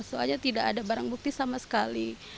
soalnya tidak ada barang bukti sama sekali